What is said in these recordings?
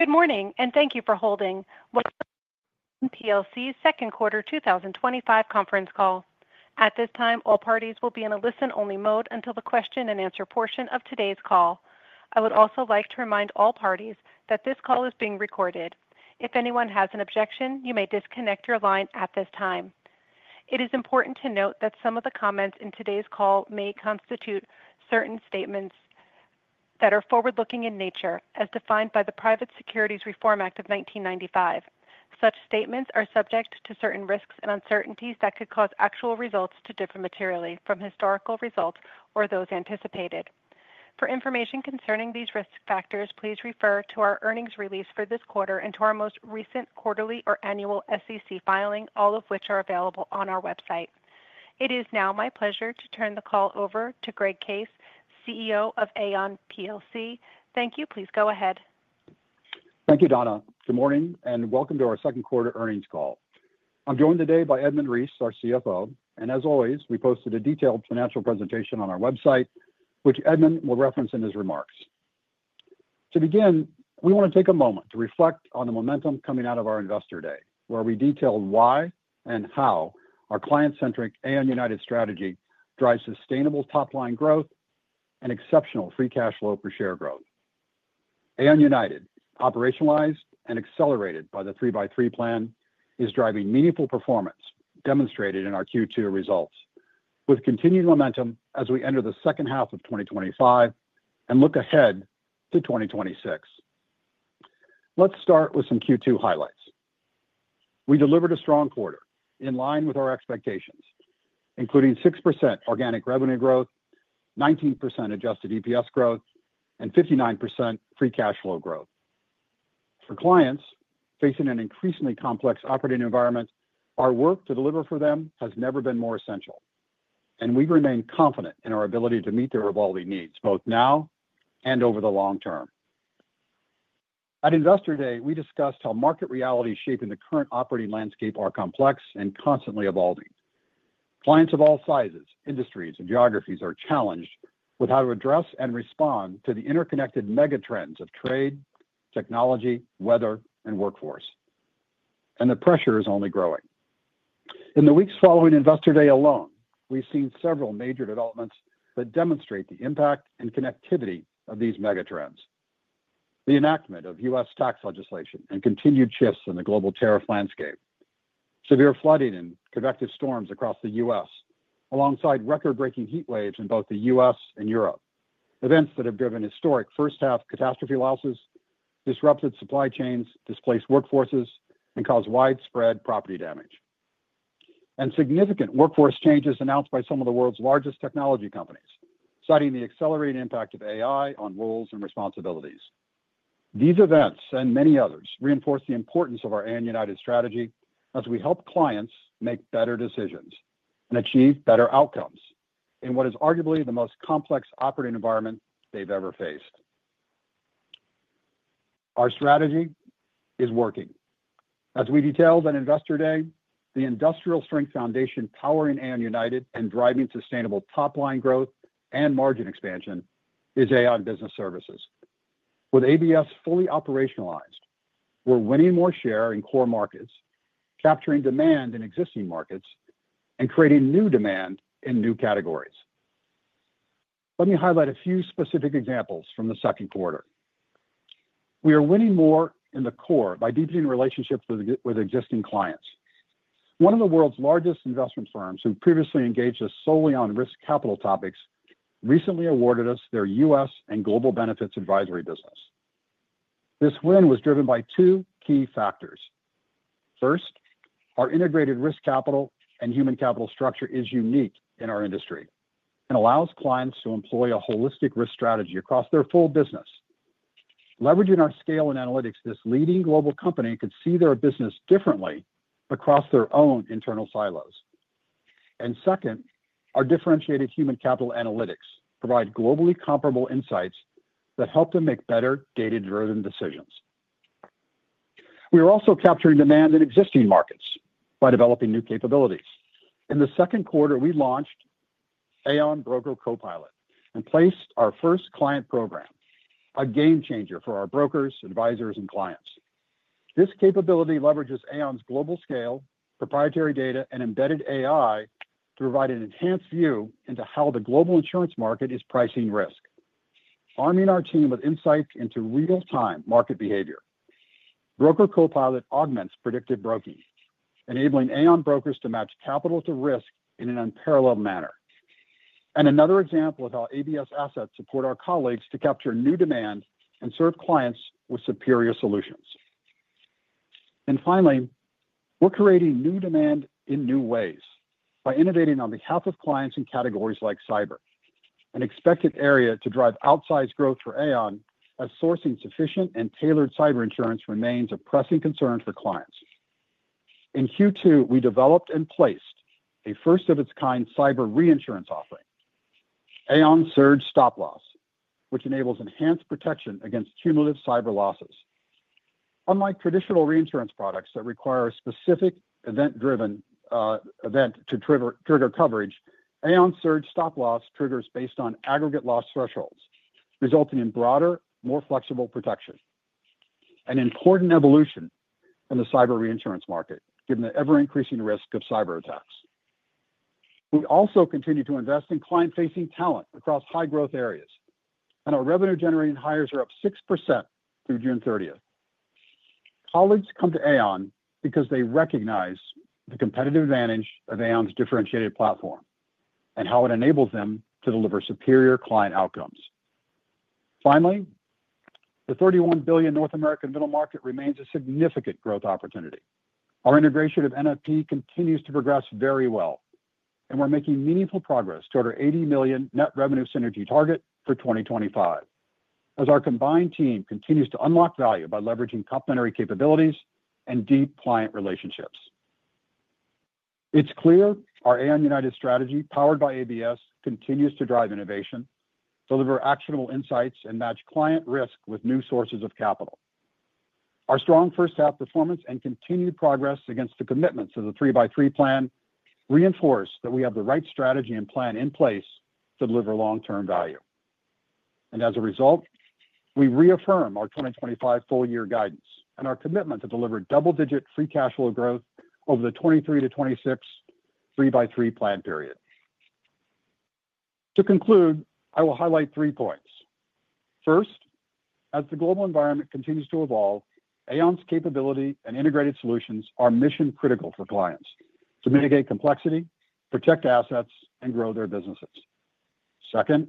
Good morning, and thank you for holding. Welcome to Aon's second quarter 2025 conference call. At this time, all parties will be in a listen-only mode until the question-and-answer portion of today's call. I would also like to remind all parties that this call is being recorded. If anyone has an objection, you may disconnect your line at this time. It is important to note that some of the comments in today's call may constitute certain statements that are forward-looking in nature, as defined by the Private Securities Reform Act of 1995. Such statements are subject to certain risks and uncertainties that could cause actual results to differ materially from historical results or those anticipated. For information concerning these risk factors, please refer to our earnings release for this quarter and to our most recent quarterly or annual SEC filing, all of which are available on our website. It is now my pleasure to turn the call over to Greg Case, CEO of Aon. Thank you. Please go ahead. Thank you, Donna. Good morning, and welcome to our second quarter earnings call. I'm joined today by Edmund Reese, our CFO, and as always, we posted a detailed financial presentation on our website, which Edmund will reference in his remarks. To begin, we want to take a moment to reflect on the momentum coming out of our Investor Day, where we detailed why and how our client-centric Aon United strategy drives sustainable top-line growth and exceptional free cash flow per share growth. Aon United, operationalized and accelerated by the 3x3 plan, is driving meaningful performance demonstrated in our Q2 results, with continued momentum as we enter the second half of 2025 and look ahead to 2026. Let's start with some Q2 highlights. We delivered a strong quarter in line with our expectations, including 6% organic revenue growth, 19% adjusted EPS growth, and 59% free cash flow growth. For clients facing an increasingly complex operating environment, our work to deliver for them has never been more essential. We remain confident in our ability to meet their evolving needs both now and over the long term. At Investor Day, we discussed how market realities shaping the current operating landscape are complex and constantly evolving. Clients of all sizes, industries, and geographies are challenged with how to address and respond to the interconnected megatrends of trade, technology, weather, and workforce. The pressure is only growing. In the weeks following Investor Day alone, we've seen several major developments that demonstrate the impact and connectivity of these megatrends: the enactment of U.S. tax legislation and continued shifts in the global tariff landscape, severe flooding and convective storms across the U.S., alongside record-breaking heat waves in both the U.S. and Europe, events that have driven historic first-half catastrophe losses, disrupted supply chains, displaced workforces, and caused widespread property damage. Significant workforce changes announced by some of the world's largest technology companies, citing the accelerated impact of AI on roles and responsibilities. These events and many others reinforce the importance of our Aon United strategy as we help clients make better decisions and achieve better outcomes in what is arguably the most complex operating environment they've ever faced. Our strategy is working. As we detailed on Investor Day, the industrial strength foundation powering Aon United and driving sustainable top-line growth and margin expansion is Aon Business Services. With ABS fully operationalized, we're winning more share in core markets, capturing demand in existing markets, and creating new demand in new categories. Let me highlight a few specific examples from the second quarter. We are winning more in the core by deepening relationships with existing clients. One of the world's largest investment firms, who previously engaged us solely on risk capital topics, recently awarded us their U.S. and global benefits advisory business. This win was driven by two key factors. First, our integrated risk capital and human capital structure is unique in our industry and allows clients to employ a holistic risk strategy across their full business. Leveraging our scale and analytics, this leading global company could see their business differently across their own internal silos. Second, our differentiated human capital analytics provide globally comparable insights that help them make better data-driven decisions. We are also capturing demand in existing markets by developing new capabilities. In the second quarter, we launched Aon Broker Copilot and placed our first client program. A game changer for our brokers, advisors, and clients. This capability leverages Aon's global scale, proprietary data, and embedded AI to provide an enhanced view into how the global insurance market is pricing risk. Arming our team with insights into real-time market behavior, Broker Copilot augments predictive broking, enabling Aon brokers to match capital to risk in an unparalleled manner. Another example of how ABS assets support our colleagues to capture new demand and serve clients with superior solutions. Finally, we're creating new demand in new ways by innovating on behalf of clients in categories like cyber, an expected area to drive outsized growth for Aon as sourcing sufficient and tailored cyber insurance remains a pressing concern for clients. In Q2, we developed and placed a first-of-its-kind cyber reinsurance offering, Aon Surge Stop Loss, which enables enhanced protection against cumulative cyber losses. Unlike traditional reinsurance products that require a specific event-driven event to trigger coverage, Aon Surge Stop Loss triggers based on aggregate loss thresholds, resulting in broader, more flexible protection. An important evolution in the cyber reinsurance market, given the ever-increasing risk of cyber attacks. We also continue to invest in client-facing talent across high-growth areas, and our revenue-generating hires are up 6% through June 30. Colleagues come to Aon because they recognize the competitive advantage of Aon's differentiated platform and how it enables them to deliver superior client outcomes. Finally, the $31 billion North American middle market remains a significant growth opportunity. Our integration of NFP continues to progress very well, and we're making meaningful progress toward our $80 million net revenue synergy target for 2025, as our combined team continues to unlock value by leveraging complementary capabilities and deep client relationships. It's clear our Aon United strategy, powered by ABS, continues to drive innovation, deliver actionable insights, and match client risk with new sources of capital. Our strong first-half performance and continued progress against the commitments of the 3x3 plan reinforce that we have the right strategy and plan in place to deliver long-term value. As a result, we reaffirm our 2025 full-year guidance and our commitment to deliver double-digit free cash flow growth over the 2023 to 2026 3x3 plan period. To conclude, I will highlight three points. First, as the global environment continues to evolve, Aon's capability and integrated solutions are mission-critical for clients to mitigate complexity, protect assets, and grow their businesses. Second.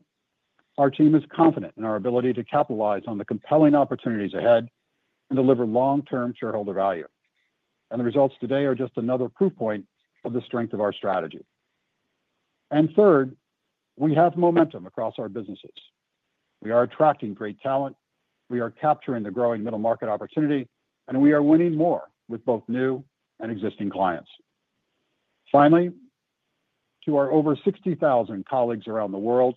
Our team is confident in our ability to capitalize on the compelling opportunities ahead and deliver long-term shareholder value. The results today are just another proof point of the strength of our strategy. Third, we have momentum across our businesses. We are attracting great talent. We are capturing the growing middle market opportunity, and we are winning more with both new and existing clients. Finally, to our over 60,000 colleagues around the world,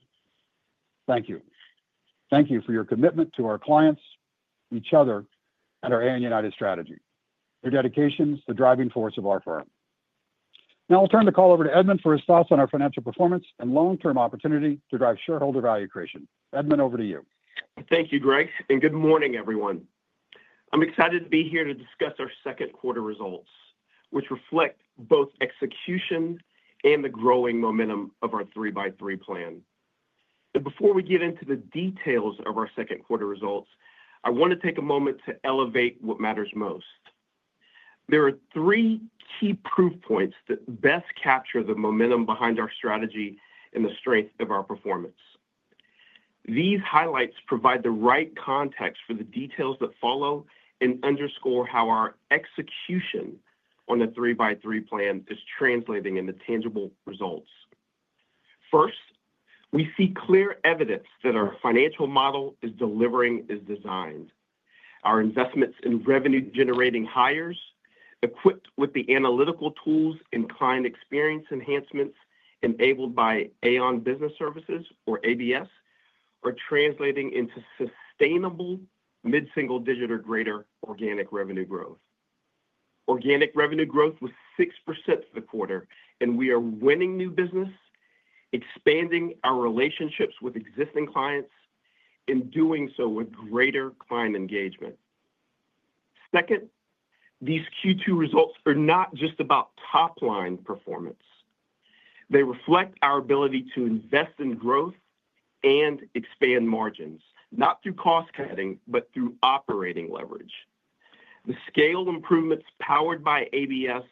thank you. Thank you for your commitment to our clients, each other, and our Aon United strategy. Your dedication is the driving force of our firm. Now I'll turn the call over to Edmund for his thoughts on our financial performance and long-term opportunity to drive shareholder value creation. Edmund, over to you. Thank you, Greg. Good morning, everyone. I'm excited to be here to discuss our second quarter results, which reflect both execution and the growing momentum of our 3x3 plan. Before we get into the details of our second quarter results, I want to take a moment to elevate what matters most. There are three key proof points that best capture the momentum behind our strategy and the strength of our performance. These highlights provide the right context for the details that follow and underscore how our execution on the 3x3 plan is translating into tangible results. First, we see clear evidence that our financial model is delivering as designed. Our investments in revenue-generating hires, equipped with the analytical tools and client experience enhancements enabled by Aon Business Services, or ABS, are translating into sustainable mid-single-digit or greater organic revenue growth. Organic revenue growth was 6% for the quarter, and we are winning new business, expanding our relationships with existing clients, and doing so with greater client engagement. Second, these Q2 results are not just about top-line performance. They reflect our ability to invest in growth and expand margins, not through cost-cutting, but through operating leverage. The scale improvements powered by ABS,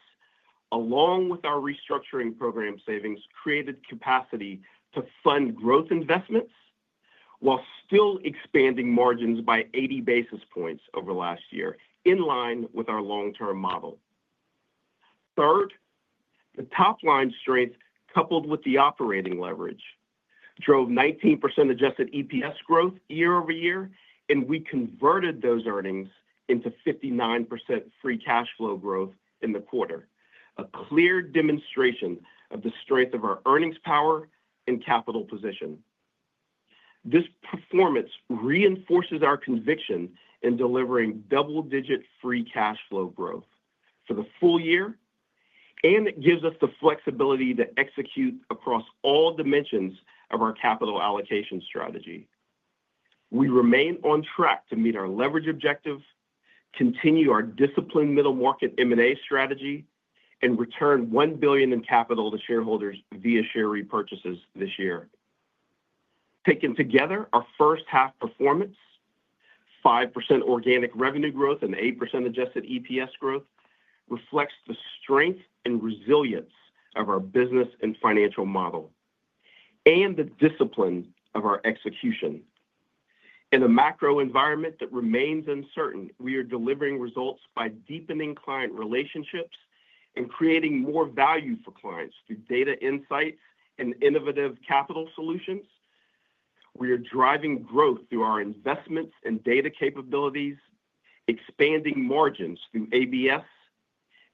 along with our restructuring program savings, created capacity to fund growth investments while still expanding margins by 80 basis points over last year, in line with our long-term model. Third, the top-line strength, coupled with the operating leverage, drove 19% adjusted EPS growth year-over-year, and we converted those earnings into 59% free cash flow growth in the quarter, a clear demonstration of the strength of our earnings power and capital position. This performance reinforces our conviction in delivering double-digit free cash flow growth for the full year, and it gives us the flexibility to execute across all dimensions of our capital allocation strategy. We remain on track to meet our leverage objective, continue our disciplined middle market M&A strategy, and return $1 billion in capital to shareholders via share repurchases this year. Taken together, our first-half performance, 5% organic revenue growth and 8% adjusted EPS growth, reflects the strength and resilience of our business and financial model, and the discipline of our execution. In a macro environment that remains uncertain, we are delivering results by deepening client relationships and creating more value for clients through data insights and innovative capital solutions. We are driving growth through our investments and data capabilities, expanding margins through ABS,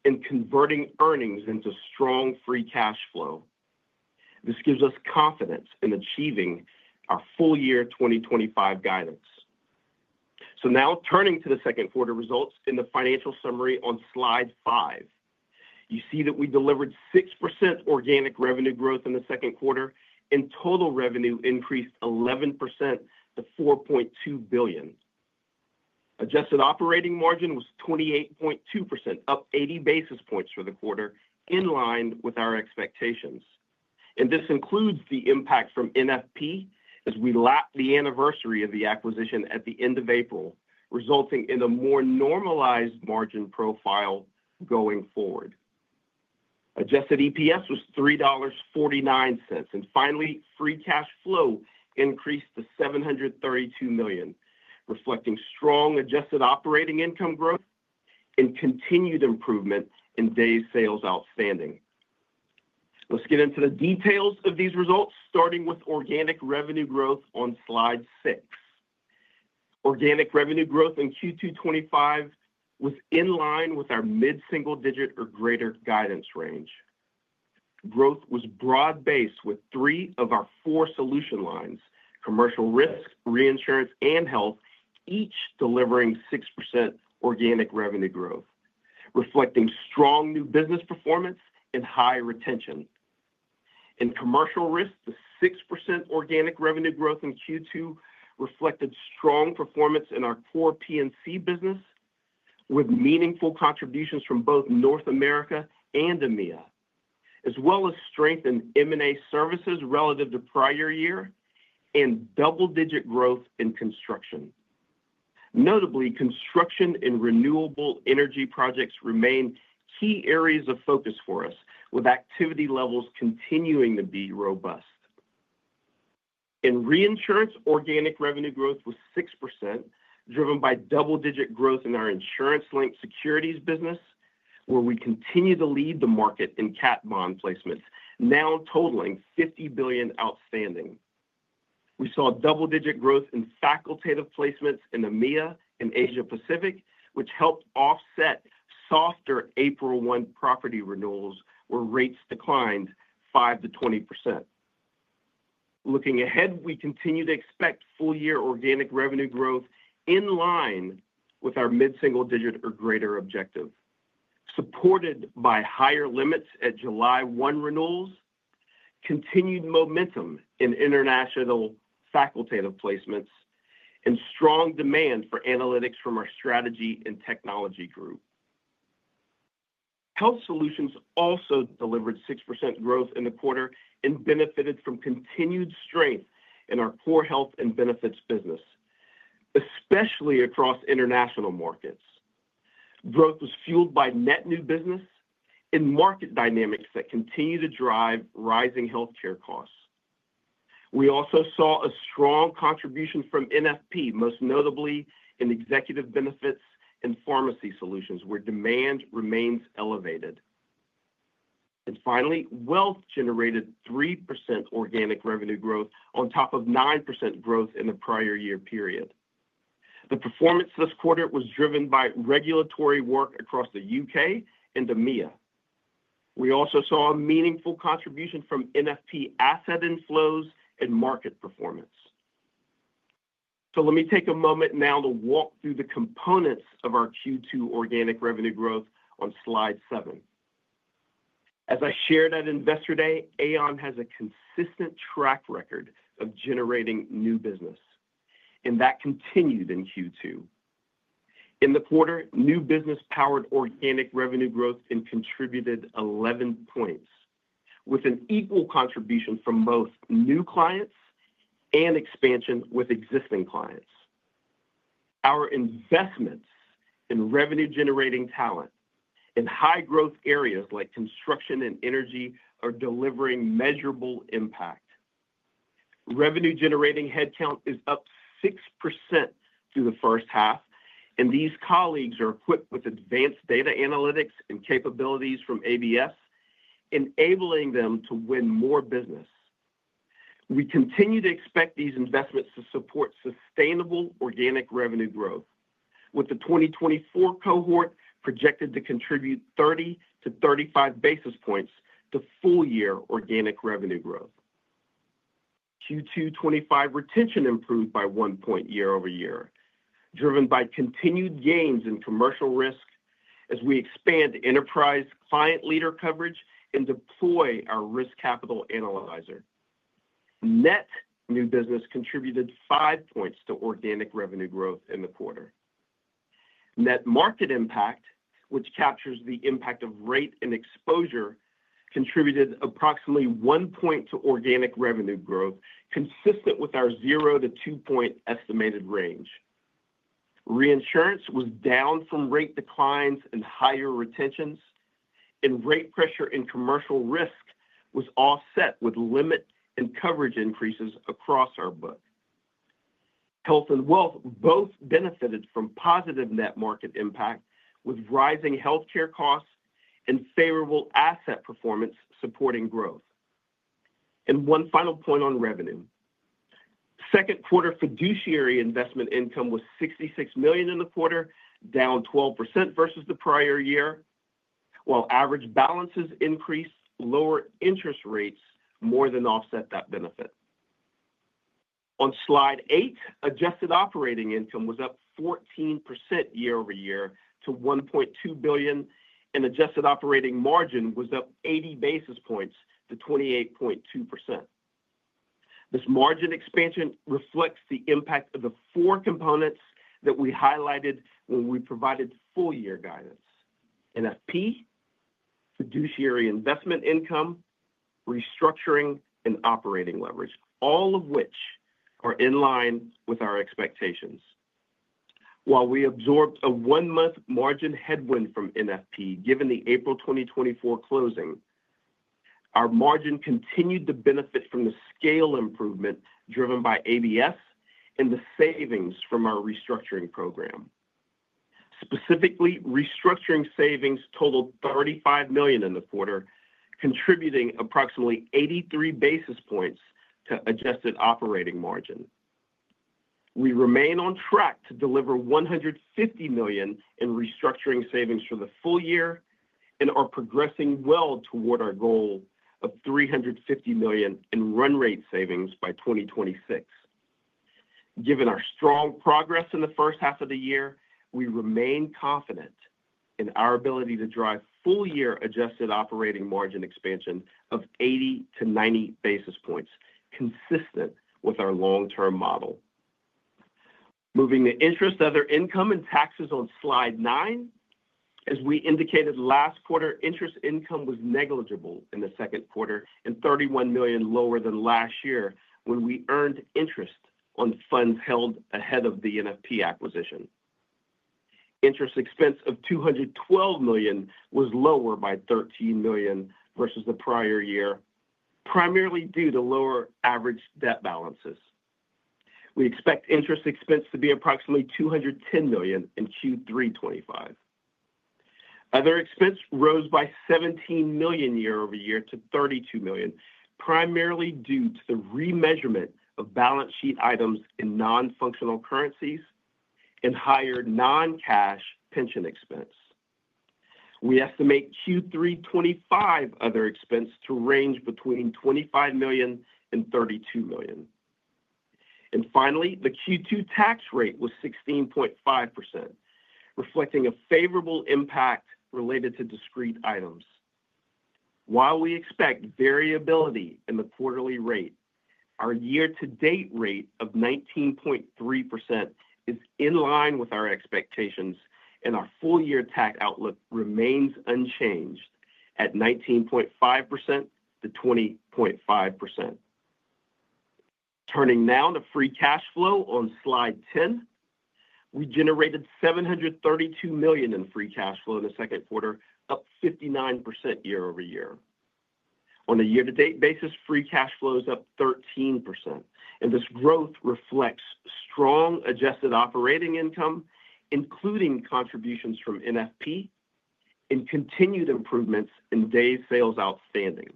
and converting earnings into strong free cash flow. This gives us confidence in achieving our full-year 2025 guidance. Now turning to the second quarter results in the financial summary on slide five, you see that we delivered 6% organic revenue growth in the second quarter, and total revenue increased 11% to $4.2 billion. Adjusted operating margin was 28.2%, up 80 basis points for the quarter, in line with our expectations. This includes the impact from NFP as we lap the anniversary of the acquisition at the end of April, resulting in a more normalized margin profile going forward. Adjusted EPS was $3.49. Finally, free cash flow increased to $732 million, reflecting strong adjusted operating income growth and continued improvement in days sales outstanding. Let's get into the details of these results, starting with organic revenue growth on slide six. Organic revenue growth in Q2 2025 was in line with our mid-single-digit or greater guidance range. Growth was broad-based with three of our four solution lines: commercial risk, reinsurance, and health, each delivering 6% organic revenue growth, reflecting strong new business performance and high retention. In commercial risk, the 6% organic revenue growth in Q2 reflected strong performance in our core P&C business, with meaningful contributions from both North America and EMEA, as well as strength in M&A services relative to prior year and double-digit growth in construction. Notably, construction and renewable energy projects remain key areas of focus for us, with activity levels continuing to be robust. In reinsurance, organic revenue growth was 6%, driven by double-digit growth in our insurance-linked securities business, where we continue to lead the market in cat bond placements, now totaling $50 billion outstanding. We saw double-digit growth in facultative placements in EMEA and Asia-Pacific, which helped offset softer April 1 property renewals, where rates declined 5%-20%. Looking ahead, we continue to expect full-year organic revenue growth in line with our mid-single-digit or greater objective, supported by higher limits at July 1 renewals, continued momentum in international facultative placements, and strong demand for analytics from our strategy and technology group. Health solutions also delivered 6% growth in the quarter and benefited from continued strength in our core health and benefits business, especially across international markets. Growth was fueled by net new business and market dynamics that continue to drive rising healthcare costs. We also saw a strong contribution from NFP, most notably in executive benefits and pharmacy solutions, where demand remains elevated. Finally, wealth generated 3% organic revenue growth on top of 9% growth in the prior year period. The performance this quarter was driven by regulatory work across the United Kingdom and EMEA. We also saw a meaningful contribution from NFP asset inflows and market performance. Let me take a moment now to walk through the components of our Q2 organic revenue growth on slide seven. As I shared at Investor Day, Aon has a consistent track record of generating new business, and that continued in Q2. In the quarter, new business powered organic revenue growth and contributed 11 points, with an equal contribution from both new clients and expansion with existing clients. Our investments in revenue-generating talent in high-growth areas like construction and energy are delivering measurable impact. Revenue-generating headcount is up 6% through the first half, and these colleagues are equipped with advanced data analytics and capabilities from ABS, enabling them to win more business. We continue to expect these investments to support sustainable organic revenue growth, with the 2024 cohort projected to contribute 30-35 basis points to full-year organic revenue growth. Q2 2025 retention improved by one point year-over-year, driven by continued gains in commercial risk as we expand enterprise client leader coverage and deploy our risk capital analyzer. Net new business contributed 5 points to organic revenue growth in the quarter. Net market impact, which captures the impact of rate and exposure, contributed approximately one point to organic revenue growth, consistent with our 0-2 point estimated range. Reinsurance was down from rate declines and higher retentions, and rate pressure in commercial risk was offset with limit and coverage increases across our book. Health and wealth both benefited from positive net market impact, with rising healthcare costs and favorable asset performance supporting growth. One final point on revenue. Second quarter fiduciary investment income was $66 million in the quarter, down 12% versus the prior year. While average balances increased, lower interest rates more than offset that benefit. On slide eight, adjusted operating income was up 14% year-over-year to $1.2 billion, and adjusted operating margin was up 80 basis points to 28.2%. This margin expansion reflects the impact of the four components that we highlighted when we provided full-year guidance: NFP, fiduciary investment income, restructuring, and operating leverage, all of which are in line with our expectations. While we absorbed a one-month margin headwind from NFP given the April 2024 closing, our margin continued to benefit from the scale improvement driven by ABS and the savings from our restructuring program. Specifically, restructuring savings totaled $35 million in the quarter, contributing approximately 83 basis points to adjusted operating margin. We remain on track to deliver $150 million in restructuring savings for the full year and are progressing well toward our goal of $350 million in run rate savings by 2026. Given our strong progress in the first half of the year, we remain confident in our ability to drive full-year adjusted operating margin expansion of 80-90 basis points, consistent with our long-term model. Moving to interest, other income and taxes on slide nine, as we indicated last quarter, interest income was negligible in the second quarter and $31 million lower than last year when we earned interest on funds held ahead of the NFP acquisition. Interest expense of $212 million was lower by $13 million versus the prior year, primarily due to lower average debt balances. We expect interest expense to be approximately $210 million in Q3 '25. Other expense rose by $17 million year-over-year to $32 million, primarily due to the remeasurement of balance sheet items in non-functional currencies and higher non-cash pension expense. We estimate Q3 '25 other expense to range between $25 million and $32 million. Finally, the Q2 tax rate was 16.5%, reflecting a favorable impact related to discrete items. While we expect variability in the quarterly rate, our year-to-date rate of 19.3% is in line with our expectations, and our full-year tax outlook remains unchanged at 19.5%-20.5%. Turning now to free cash flow on slide 10, we generated $732 million in free cash flow in the second quarter, up 59% year-over-year. On a year-to-date basis, free cash flow is up 13%. This growth reflects strong adjusted operating income, including contributions from NFP, and continued improvements in days sales outstanding.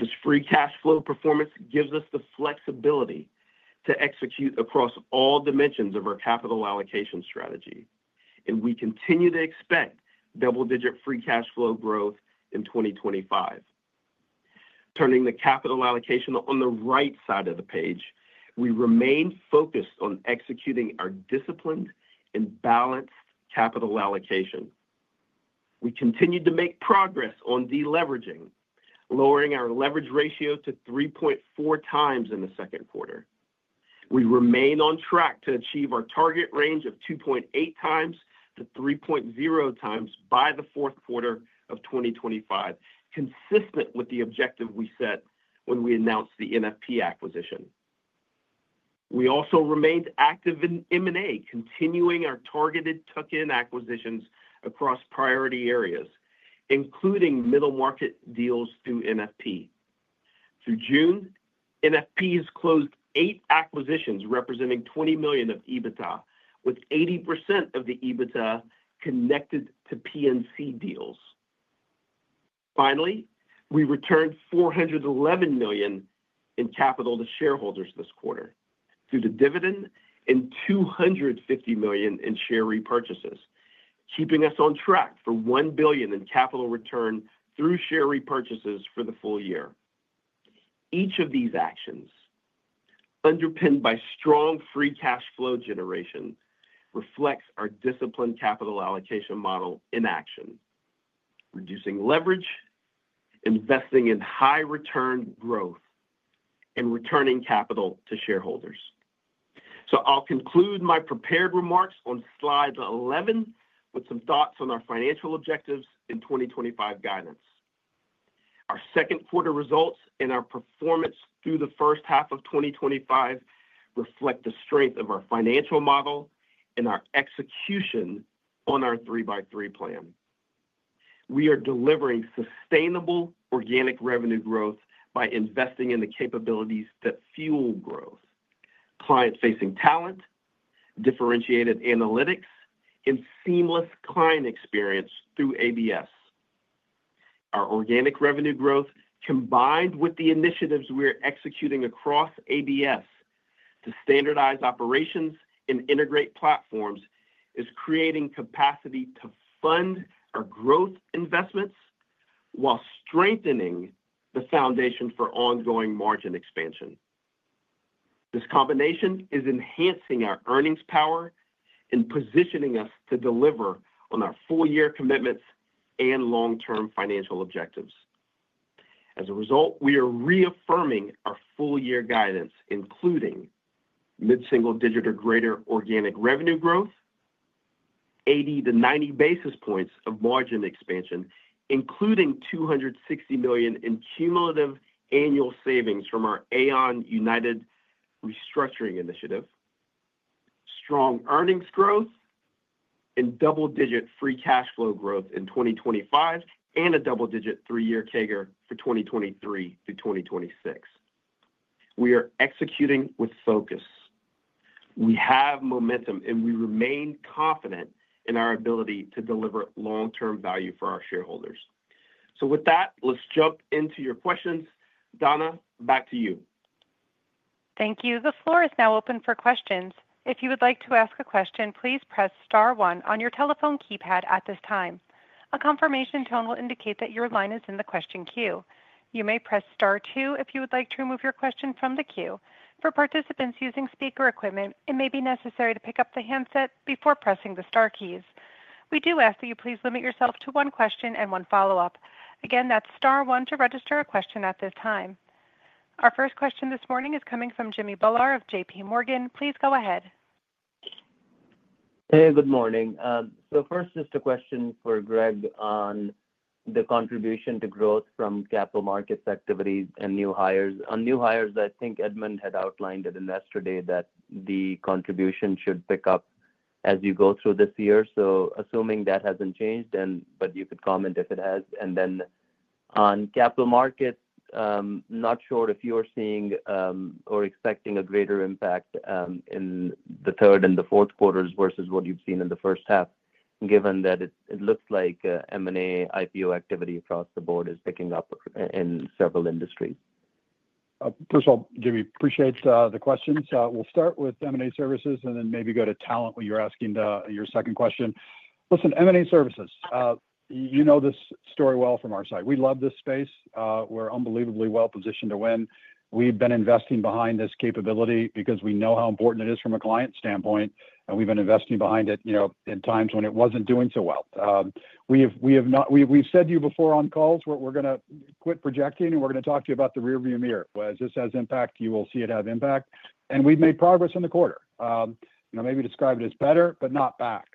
This free cash flow performance gives us the flexibility to execute across all dimensions of our capital allocation strategy. We continue to expect double-digit free cash flow growth in 2025. Turning to capital allocation on the right side of the page, we remain focused on executing our disciplined and balanced capital allocation. We continue to make progress on deleveraging, lowering our leverage ratio to 3.4 times in the second quarter. We remain on track to achieve our target range of 2.8-3.0x by the fourth quarter of 2025, consistent with the objective we set when we announced the NFP acquisition. We also remained active in M&A, continuing our targeted tuck-in acquisitions across priority areas, including middle market deals through NFP. Through June, NFP has closed eight acquisitions representing $20 million of EBITDA, with 80% of the EBITDA connected to P&C deals. Finally, we returned $411 million in capital to shareholders this quarter through the dividend and $250 million in share repurchases, keeping us on track for $1 billion in capital return through share repurchases for the full year. Each of these actions, underpinned by strong free cash flow generation, reflects our disciplined capital allocation model in action: reducing leverage, investing in high-return growth, and returning capital to shareholders. I will conclude my prepared remarks on slide 11 with some thoughts on our financial objectives and 2025 guidance. Our second quarter results and our performance through the first half of 2025 reflect the strength of our financial model and our execution on our 3x3 plan. We are delivering sustainable organic revenue growth by investing in the capabilities that fuel growth: client-facing talent, differentiated analytics, and seamless client experience through ABS. Our organic revenue growth, combined with the initiatives we are executing across ABS to standardize operations and integrate platforms, is creating capacity to fund our growth investments while strengthening the foundation for ongoing margin expansion. This combination is enhancing our earnings power and positioning us to deliver on our full-year commitments and long-term financial objectives. As a result, we are reaffirming our full-year guidance, including mid-single-digit or greater organic revenue growth, 80-90 basis points of margin expansion, including $260 million in cumulative annual savings from our Aon United restructuring initiative, strong earnings growth, and double-digit free cash flow growth in 2025, and a double-digit three-year CAGR for 2023-2026. We are executing with focus. We have momentum, and we remain confident in our ability to deliver long-term value for our shareholders. With that, let's jump into your questions. Donna, back to you. Thank you. The floor is now open for questions. If you would like to ask a question, please press Star 1 on your telephone keypad at this time. A confirmation tone will indicate that your line is in the question queue. You may press Star 2 if you would like to remove your question from the queue. For participants using speaker equipment, it may be necessary to pick up the handset before pressing the Star keys. We do ask that you please limit yourself to one question and one follow-up. Again, that's Star 1 to register a question at this time. Our first question this morning is coming from Jimmy Bhullar of J.P. Morgan. Please go ahead. Hey, good morning. First, just a question for Greg on the contribution to growth from capital markets activity and new hires. On new hires, I think Edmund had outlined at Investor Day that the contribution should pick up as you go through this year. Assuming that has not changed, but you could comment if it has on capital markets, I am not sure if you are seeing or expecting a greater impact in the third and the fourth quarters versus what you have seen in the first half, given that it looks like M&A IPO activity across the board is picking up in several industries. First of all, Jimmy, appreciate the questions. We will start with M&A services and then maybe go to talent when you are asking your second question. Listen, M&A services. This story well from our side, we love this space. We are unbelievably well positioned to win. We have been investing behind this capability because we know how important it is from a client standpoint, and we have been investing behind it in times when it was not doing so well. We have said to you before on calls, we are going to quit projecting, and we are going to talk to you about the rearview mirror. As this has impact, you will see it have impact. We have made progress in the quarter. Maybe describe it as better, but not back.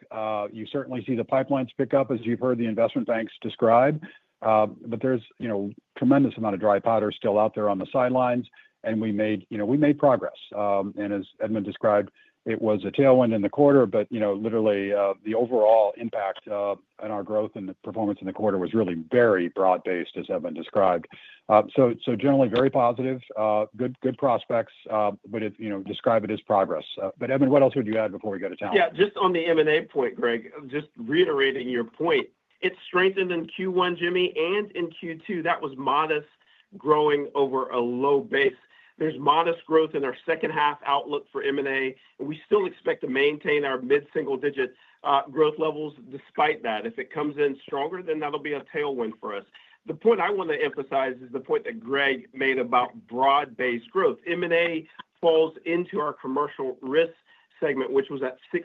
You certainly see the pipelines pick up as you have heard the investment banks describe. There is a tremendous amount of dry powder still out there on the sidelines, and we made progress. As Edmund described, it was a tailwind in the quarter, but literally the overall impact on our growth and the performance in the quarter was really very broad-based, as Edmund described. Generally, very positive, good prospects, but describe it as progress. Edmund, what else would you add before we go to talent? Just on the M&A point, Greg, just reiterating your point. It strengthened in Q1, Jimmy, and in Q2. That was modest growing over a low base. There's modest growth in our second-half outlook for M&A, and we still expect to maintain our mid-single-digit growth levels despite that. If it comes in stronger, then that'll be a tailwind for us. The point I want to emphasize is the point that Greg made about broad-based growth. M&A falls into our commercial risk segment, which was at 6%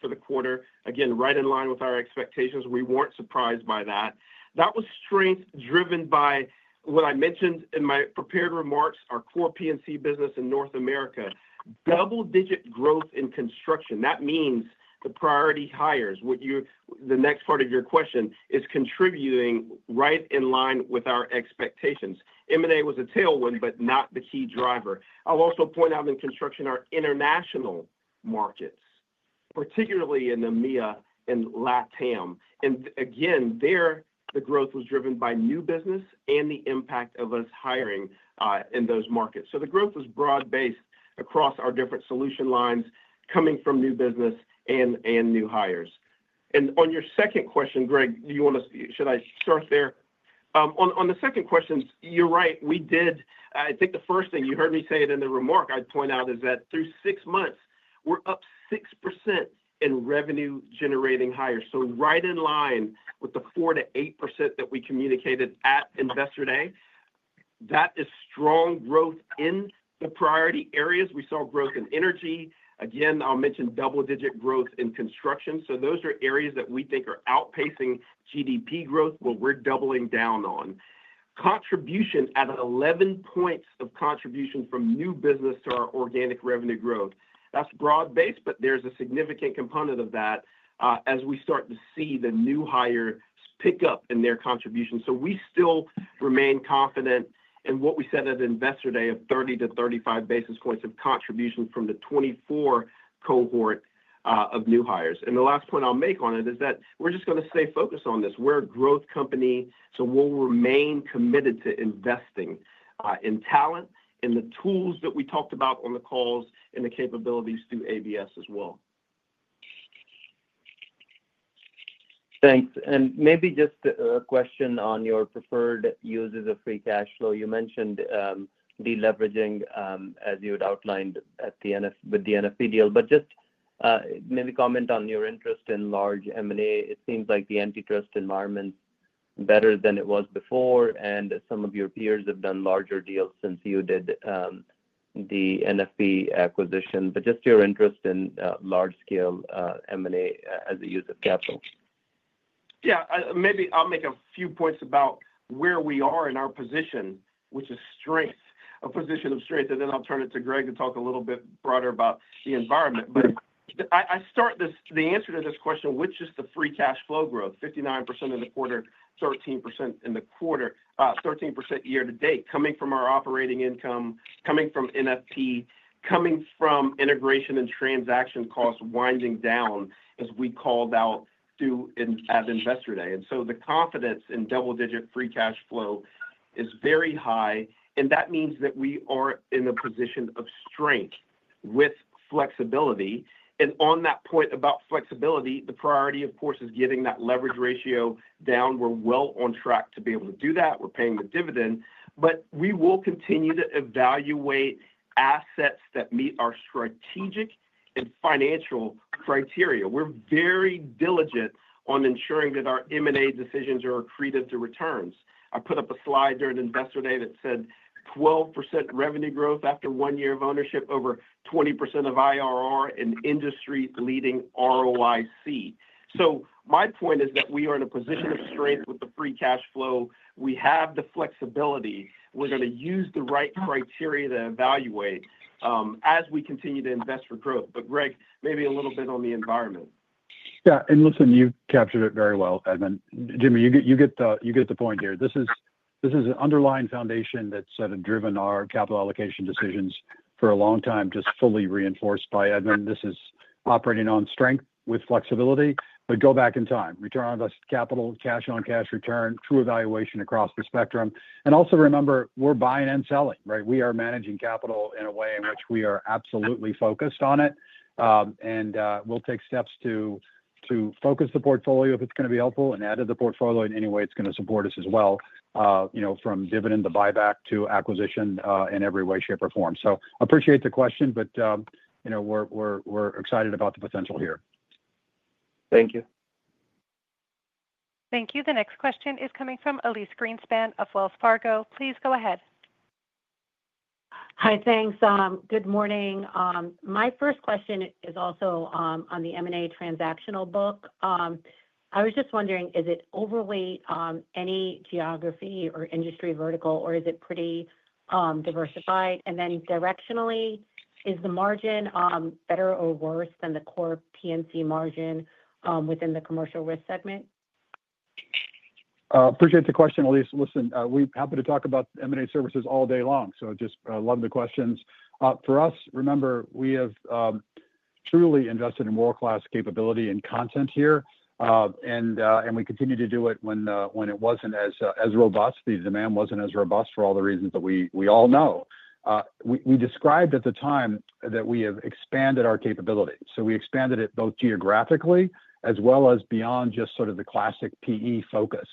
for the quarter. Again, right in line with our expectations we weren't surprised by that. That was strength driven by what I mentioned in my prepared remarks, our core P&C business in North America. Double-digit growth in construction. That means the priority hires, the next part of your question, is contributing right in line with our expectations. M&A was a tailwind, but not the key driver. I'll also point out in construction, our international markets, particularly in EMEA and LATAM. There, the growth was driven by new business and the impact of us hiring in those markets. The growth was broad-based across our different solution lines coming from new business and new hires. On your second question, Greg, do you want to—should I start there? On the second question, you're right. I think the first thing you heard me say in the remark, I'd point out is that through six months, we're up 6% in revenue-generating hires. Right in line with the 4%-8% that we communicated at Investor Day. That is strong growth in the priority areas. We saw growth in energy. Again, I'll mention double-digit growth in construction. Those are areas that we think are outpacing GDP growth, but we're doubling down on. Contribution at 11 points of contribution from new business to our organic revenue growth. That's broad-based, but there's a significant component of that as we start to see the new hires pick up in their contribution. We still remain confident in what we said at Investor Day of 30-35 basis points of contribution from the 2024 cohort of new hires. The last point I'll make on it is that we're just going to stay focused on this we're a growth company, so we'll remain committed to investing in talent, in the tools that we talked about on the calls, and the capabilities through ABS as well. Thanks. Maybe just a question on your preferred uses of free cash flow. You mentioned deleveraging as you had outlined with the NFP deal. Maybe comment on your interest in large M&A. It seems like the antitrust environment's better than it was before, and some of your peers have done larger deals since you did the NFP acquisition. Just your interest in large-scale M&A as a use of capital. Maybe I'll make a few points about where we are in our position, which is strength, a position of strength. I'll turn it to Greg to talk a little bit broader about the environment. The answer to this question, which is the free cash flow growth, 59% in the quarter, 13% year-to-date, coming from our operating income, coming from NFP, coming from integration and transaction costs winding down, as we called out at Investor Day. The confidence in double-digit free cash flow is very high. That means that we are in a position of strength with flexibility. On that point about flexibility, the priority, of course, is getting that leverage ratio down. We're well on track to be able to do that. We're paying the dividend. We will continue to evaluate assets that meet our strategic and financial criteria. We're very diligent on ensuring that our M&A decisions are accretive to returns. I put up a slide during Investor Day that said 12% revenue growth after one year of ownership, over 20% of IRR, and industry-leading ROIC. My point is that we are in a position of strength with the free cash flow. We have the flexibility. We're going to use the right criteria to evaluate as we continue to invest for growth. Greg, maybe a little bit on the environment. Listen, you've captured it very well, Edmund. Jimmy, you get the point here. This is an underlying foundation that's driven our capital allocation decisions for a long time, just fully reinforced by Edmund. This is operating on strength with flexibility. Go back in time. Return on invested capital, cash-on-cash return, true evaluation across the spectrum. Also remember, we're buying and selling, right? We are managing capital in a way in which we are absolutely focused on it. We'll take steps to focus the portfolio if it's going to be helpful and add to the portfolio in any way it's going to support us as well from dividend to buyback to acquisition in every way, shape, or form. I appreciate the question, but we're excited about the potential here. Thank you. Thank you. The next question is coming from Elyse Greenspan of Wells Fargo. Please go ahead. Hi, thanks. Good morning. My first question is also on the M&A transactional book. I was just wondering, is it overly any geography or industry vertical, or is it pretty diversified? Then directionally, is the margin better or worse than the core P&C margin within the commercial risk segment? Appreciate the question, Elyse. Listen, we're happy to talk about M&A services all day long. Just love the questions. For us, remember, we have truly invested in world-class capability and content here. We continue to do it when it wasn't as robust. The demand wasn't as robust for all the reasons that we all know, we described at the time that we have expanded our capability. We expanded it both geographically as well as beyond just sort of the classic PE focus.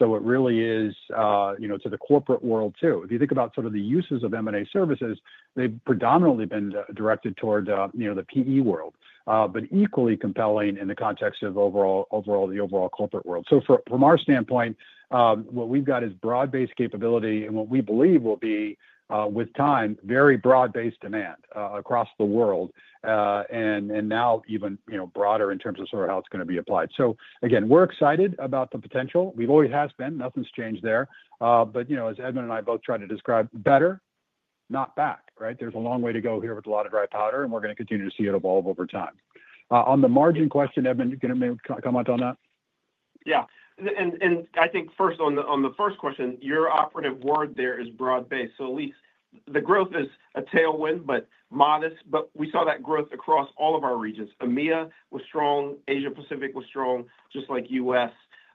It really is to the corporate world too. If you think about sort of the uses of M&A services, they've predominantly been directed toward the PE world, but equally compelling in the context of the overall corporate world. From our standpoint, what we've got is broad-based capability and what we believe will be, with time, very broad-based demand across the world. Now even broader in terms of sort of how it's going to be applied. Again, we're excited about the potential. We've always asked Ben. Nothing's changed there. As Edmund and I both tried to describe, better, not back, right? There's a long way to go here with a lot of dry powder, and we're going to continue to see it evolve over time. On the margin question, Edmund, can you comment on that? I think first, on the first question, your operative word there is broad-based. Elise, the growth is a tailwind, but modest. We saw that growth across all of our regions. EMEA was strong. Asia-Pacific was strong, just like US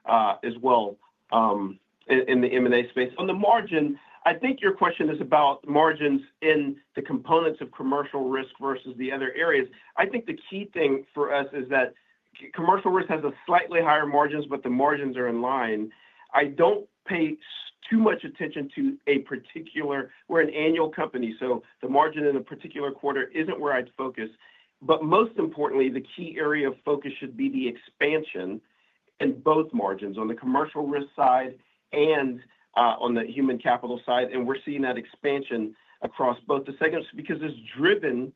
as well in the M&A space. On the margin, I think your question is about margins in the components of commercial risk versus the other areas. The key thing for us is that commercial risk has slightly higher margins, but the margins are in line. I don't pay too much attention to a particular—we're an annual company, so the margin in a particular quarter isn't where I'd focus. Most importantly, the key area of focus should be the expansion in both margins on the commercial risk side and on the human capital side. We're seeing that expansion across both the segments because it's driven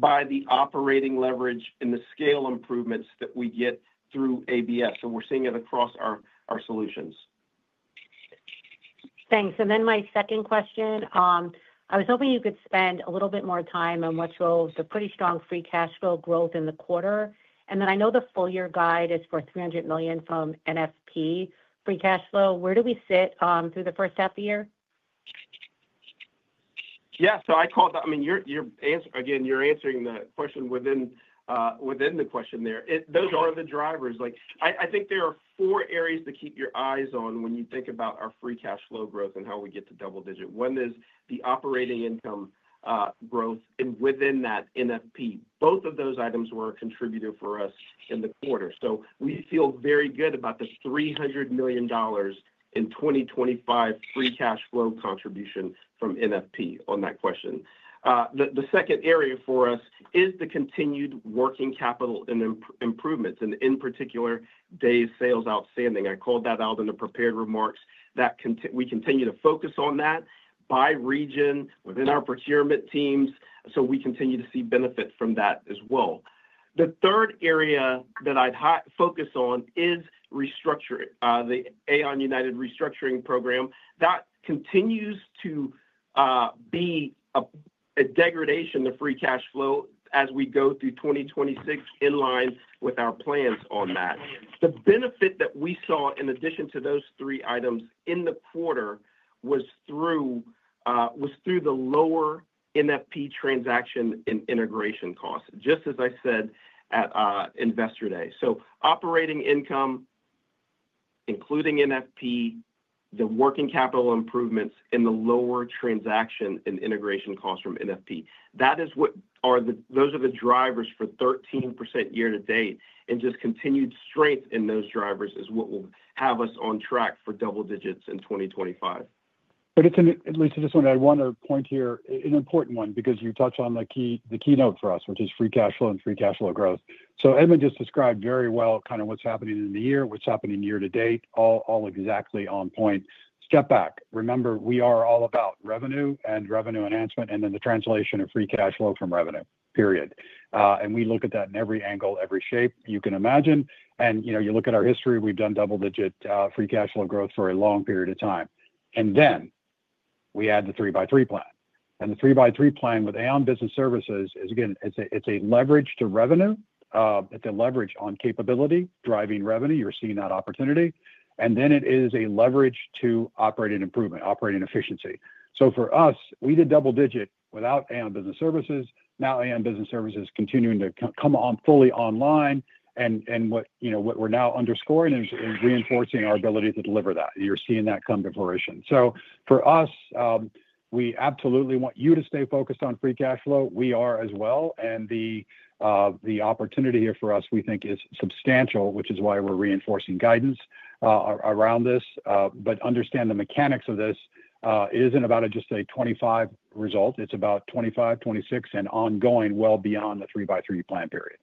by the operating leverage and the scale improvements that we get through ABS. We're seeing it across our solutions. Thanks. My second question, I was hoping you could spend a little bit more time on what drove the pretty strong free cash flow growth in the quarter. I know the full-year guide is for $300 million from NFP free cash flow. Where do we sit through the first half of the year? I caught that. I mean, again, you're answering the question within the question there. Those are the drivers, I think there are four areas to keep your eyes on when you think about our free cash flow growth and how we get to double-digit. One is the operating income growth within that NFP. Both of those items were contributing for us in the quarter. We feel very good about the $300 million in 2025 free cash flow contribution from NFP on that question. The second area for us is the continued working capital and improvements, and in particular, days sales outstanding. I called that out in the prepared remarks. We continue to focus on that by region within our procurement teams. We continue to see benefits from that as well. The third area that I'd focus on is restructuring, the Aon United Restructuring Program. That continues to be a degradation of free cash flow as we go through 2026 in line with our plans on that the benefit that we saw in addition to those three items in the quarter was through the lower NFP transaction and integration costs, just as I said at Investor Day. Operating income, including NFP, the working capital improvements, and the lower transaction and integration costs from NFP, those are the drivers for 13% year-to-date. Continued strength in those drivers is what will have us on track for double digits in 2025. I just want to—I want to point here, an important one, because you touched on the keynote for us, which is free cash flow and free cash flow growth. Edmund just described very well kind of what's happening in the year, what's happening year-to-date, all exactly on point. Step back. Remember, we are all about revenue and revenue enhancement and then the translation of free cash flow from revenue, period. We look at that in every angle, every shape you can imagine. You look at our history, we've done double-digit free cash flow growth for a long period of time. We add the 3x3 plan. The 3x3 plan with Aon Business Services is, again, it's a leverage to revenue. It's a leverage on capability, driving revenue. You're seeing that opportunity. It is a leverage to operating improvement, operating efficiency. For us, we did double-digit without Aon Business Services. Now Aon Business Services is continuing to come fully online. What we're now underscoring is reinforcing our ability to deliver that. You're seeing that come to fruition. For us, we absolutely want you to stay focused on free cash flow. We are as well. The opportunity here for us, we think, is substantial, which is why we're reinforcing guidance around this. Understand the mechanics of this isn't about just a 2025 result, it's about 2025, 2026, and ongoing well beyond the 3x3 plan period.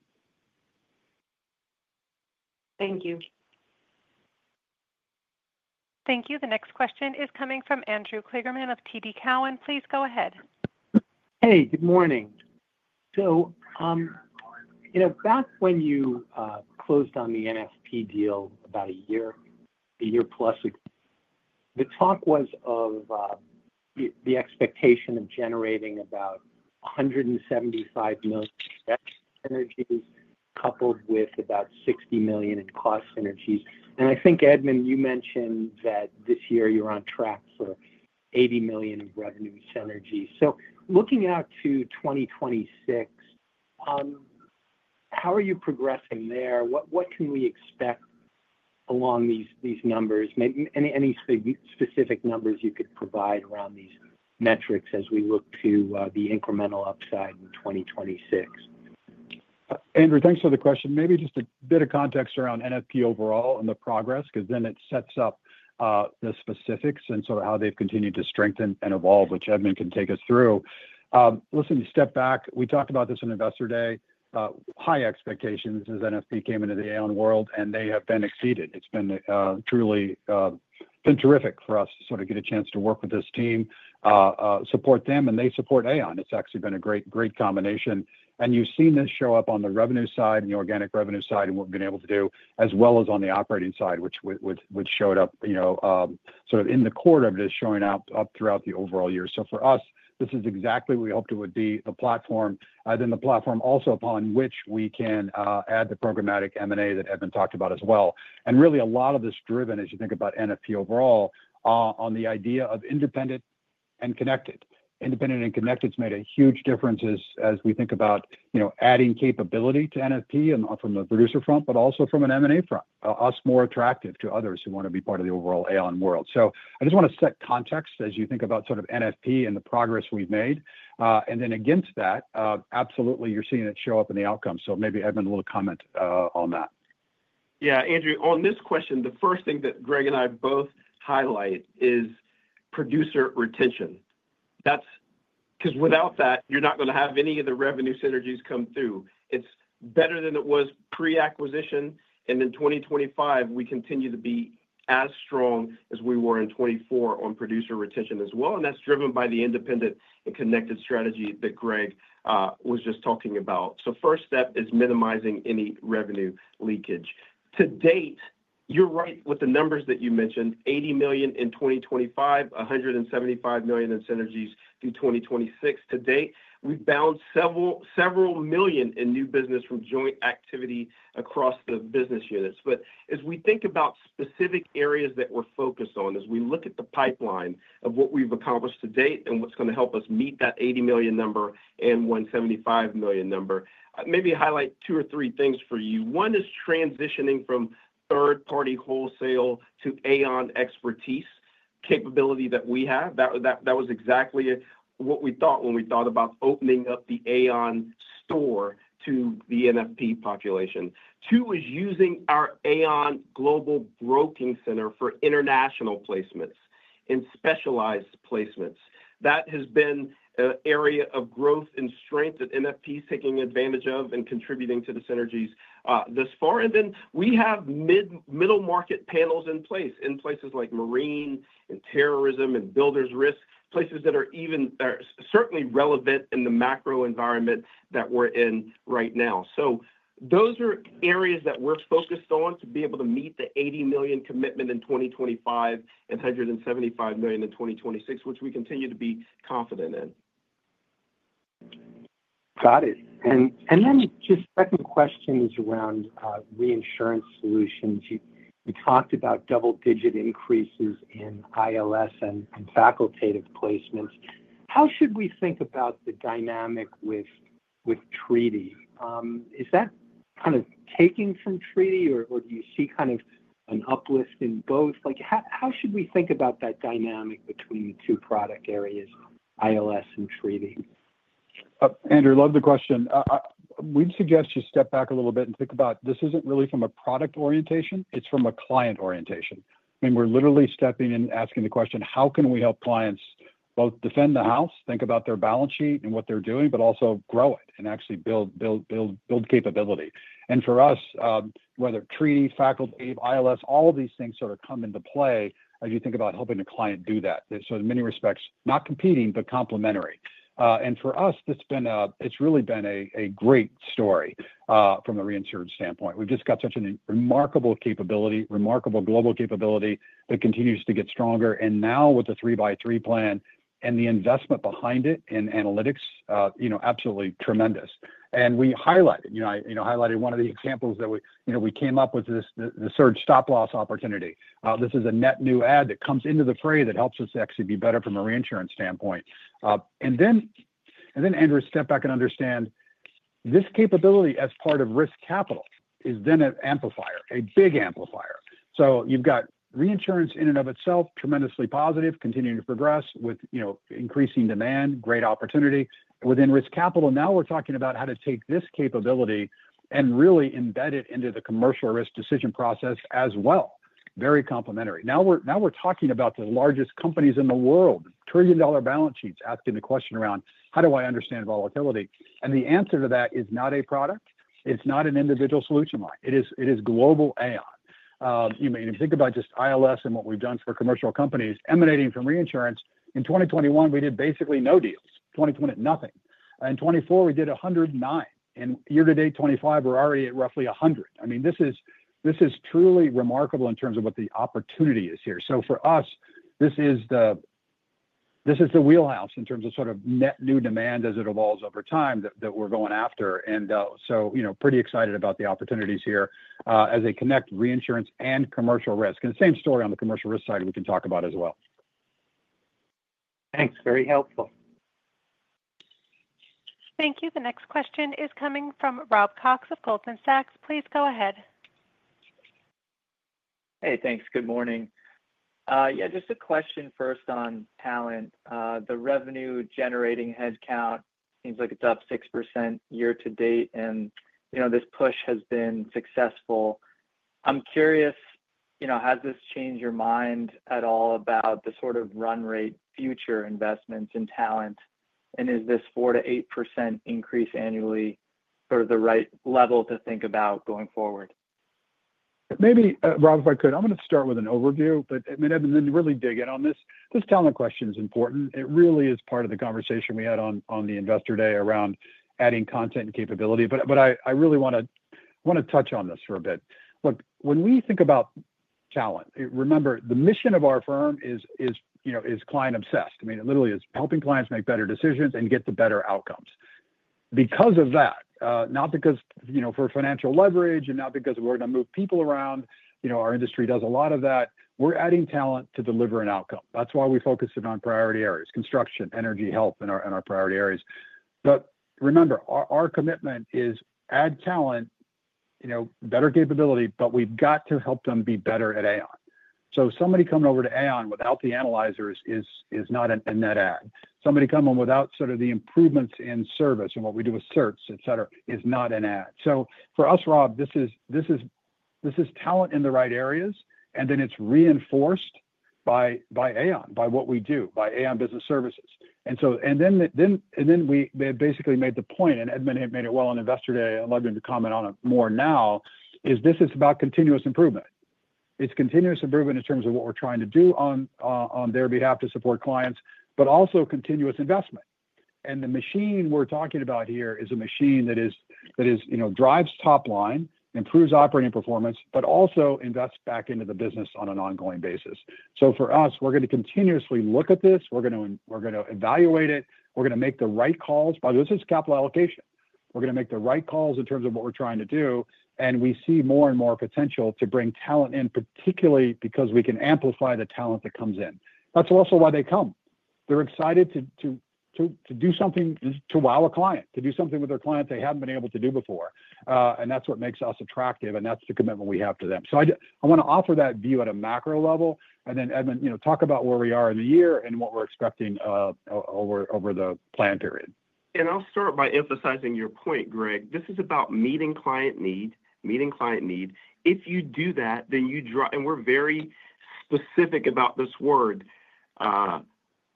Thank you. The next question is coming from Andrew Kligerman of TD Cowen. Please go ahead. Hey, good morning. Back when you closed on the NFP deal about a year, a year-plus, the talk was of the expectation of generating about $175 million in energy coupled with about $60 million in cost synergies. I think, Edmund, you mentioned that this year you're on track for $80 million in revenue synergies. Looking out to 2026, how are you progressing there? What can we expect along these numbers? Any specific numbers you could provide around these metrics as we look to the incremental upside in 2026? Andrew, thanks for the question. Maybe just a bit of context around NFP overall and the progress, because then it sets up the specifics and sort of how they've continued to strengthen and evolve, which Edmund can take us through. Listen, step back. We talked about this on Investor Day. High expectations as NFP came into the Aon world, and they have been exceeded. It's truly been terrific for us to sort of get a chance to work with this team, support them, and they support Aon. It's actually been a great combination. You have seen this show up on the revenue side and the organic revenue side and what we've been able to do, as well as on the operating side, which showed up. Sort of in the core of it, is showing up throughout the overall year. For us, this is exactly what we hoped it would be, the platform. The platform also upon which we can add the programmatic M&A that Edmund talked about as well. Really, a lot of this driven, as you think about NFP overall, on the idea of independent and connected. Independent and connected has made a huge difference as we think about adding capability to NFP from a producer front, but also from an M&A front, us more attractive to others who want to be part of the overall Aon world. I just want to set context as you think about sort of NFP and the progress we've made. Against that, absolutely, you're seeing it show up in the outcome. Maybe, Edmund, a little comment on that. Andrew, on this question, the first thing that Greg and I both highlight is producer retention. Because without that, you're not going to have any of the revenue synergies come through. It's better than it was pre-acquisition in 2025, we continue to be as strong as we were in 2024 on producer retention as well. That's driven by the independent and connected strategy that Greg was just talking about. First step is minimizing any revenue leakage. To date, you're right with the numbers that you mentioned, $80 million in 2025, $175 million in synergies through 2026. To date, we've bounced several million in new business from joint activity across the business units, as we think about specific areas that we're focused on, as we look at the pipeline of what we've accomplished to date and what's going to help us meet that $80 million number and $175 million number, maybe highlight two or three things for you. One is transitioning from third-party wholesale to Aon expertise capability that we have, that was exactly what we thought when we thought about opening up the Aon store to the NFP population. Two is using our Aon Global Broking Center for international placements and specialized placements. That has been an area of growth and strength that NFP is taking advantage of and contributing to the synergies thus far. Then we have middle market panels in place in places like Marine and Terrorism and Builders Risk, places that are even certainly relevant in the macro environment that we're in right now. Those are areas that we're focused on to be able to meet the $80 million commitment in 2025 and $175 million in 2026, which we continue to be confident in. Got it. Just a second question is around reinsurance solutions. You talked about double-digit increases in ILS and facultative placements. How should we think about the dynamic with Treaty? Is that kind of taking from Treaty, or do you see kind of an uplift in both? How should we think about that dynamic between the two product areas, ILS and Treaty? Andrew, love the question. We'd suggest you step back a little bit and think about this isn't really from a product orientation. It's from a client orientation. I mean, we're literally stepping in and asking the question, how can we help clients both defend the house, think about their balance sheet and what they're doing, but also grow it and actually build capability? For us, whether Treaty, facultative, ILS, all of these things sort of come into play as you think about helping a client do that. In many respects, not competing, but complementary. For us, it's really been a great story from the reinsured standpoint. We've just got such a remarkable capability, remarkable global capability that continues to get stronger. Now with the 3x3 plan and the investment behind it in analytics, absolutely tremendous. We highlighted, I highlighted one of the examples that we came up with, the Surge Stop Loss opportunity. This is a net new ad that comes into the fray that helps us actually be better from a reinsurance standpoint. Andrew, step back and understand. This capability as part of risk capital is then an amplifier, a big amplifier. You've got reinsurance in and of itself, tremendously positive, continuing to progress with increasing demand, great opportunity. Within risk capital, now we're talking about how to take this capability and really embed it into the commercial risk decision process as well. Very complementary. Now we're talking about the largest companies in the world, trillion-dollar balance sheets, asking the question around, how do I understand volatility? The answer to that is not a product. It's not an individual solution line. It is global Aon. You think about just ILS and what we've done for commercial companies emanating from reinsurance. In 2021, we did basically no deals. 2020, nothing. In 2024, we did 109. Year-to-date, 2025, we're already at roughly 100. This is truly remarkable in terms of what the opportunity is here. For us, this is the wheelhouse in terms of sort of net new demand as it evolves over time that we're going after. Pretty excited about the opportunities here as they connect reinsurance and commercial risk. Same story on the commercial risk side we can talk about as well. Thanks. Very helpful. Thank you. The next question is coming from Rob Cox of Goldman Sachs. Please go ahead. Hey, thanks. Good morning. Yeah, just a question first on talent. The revenue-generating headcount seems like it's up 6% year-to-date, and this push has been successful. I'm curious. Has this changed your mind at all about the sort of run-rate future investments in talent? And is this 4%-8% increase annually sort of the right level to think about going forward? Maybe, Rob, if I could, I'm going to start with an overview, but then really dig in on this. This talent question is important. It really is part of the conversation we had on the Investor Day around adding content and capability. I really want to touch on this for a bit. Look, when we think about talent, remember, the mission of our firm is client-obsessed. I mean, it literally is helping clients make better decisions and get to better outcomes. Because of that, not because for financial leverage and not because we're going to move people around, our industry does a lot of that, we're adding talent to deliver an outcome. That's why we focused on priority areas: construction, energy, health, and our priority areas. Remember, our commitment is add talent. Better capability, but we've got to help them be better at Aon. Somebody coming over to Aon without the analyzers is not a net ad. Somebody coming without the improvements in service and what we do with certs, etc., is not an ad. For us, Rob, this is talent in the right areas, and then it's reinforced by Aon, by what we do, by Aon Business Services. We basically made the point, and Edmund had made it well on Investor Day, and I'd love him to comment on it more now, this is about continuous improvement. It's continuous improvement in terms of what we're trying to do on their behalf to support clients, but also continuous investment. The machine we're talking about here is a machine that drives top line, improves operating performance, but also invests back into the business on an ongoing basis. For us, we're going to continuously look at this. We're going to evaluate it. We're going to make the right calls. By the way, this is capital allocation. We're going to make the right calls in terms of what we're trying to do. We see more and more potential to bring talent in, particularly because we can amplify the talent that comes in. That's also why they come. They're excited to do something to wow a client, to do something with their client they haven't been able to do before. That's what makes us attractive, and that's the commitment we have to them. I want to offer that view at a macro level, and then, Edmund, talk about where we are in the year and what we're expecting over the plan period. I'll start by emphasizing your point, Greg. This is about meeting client need, meeting client need. If you do that, then you drive—we're very specific about this word,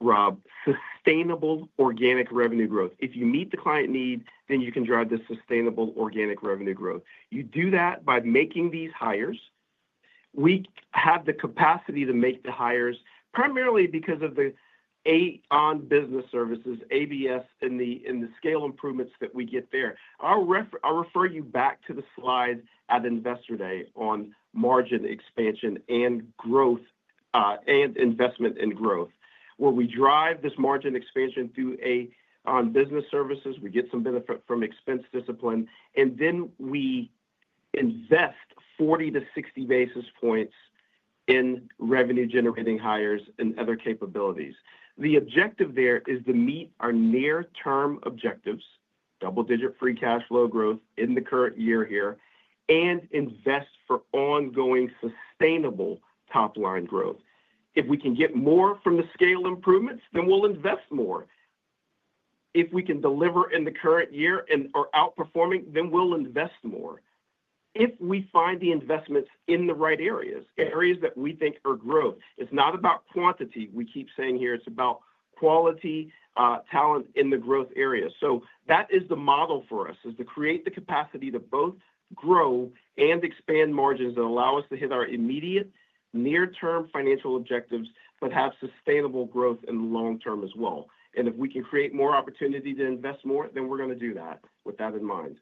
Rob—sustainable organic revenue growth. If you meet the client need, then you can drive this sustainable organic revenue growth. You do that by making these hires. We have the capacity to make the hires, primarily because of the Aon Business Services, ABS, and the scale improvements that we get there. I'll refer you back to the slides at Investor Day on margin expansion and investment and growth, where we drive this margin expansion through Aon Business Services. We get some benefit from expense discipline, and then we invest 40-60 basis points in revenue-generating hires and other capabilities. The objective there is to meet our near-term objectives: double-digit free cash flow growth in the current year here, and invest for ongoing sustainable top-line growth. If we can get more from the scale improvements, then we'll invest more. If we can deliver in the current year and are outperforming, then we'll invest more. If we find the investments in the right areas, areas that we think are growth. It's not about quantity. We keep saying here it's about quality, talent in the growth area. That is the model for us, to create the capacity to both grow and expand margins that allow us to hit our immediate near-term financial objectives, but have sustainable growth in the long term as well. If we can create more opportunity to invest more, then we're going to do that with that in mind.